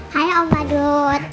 hai om padut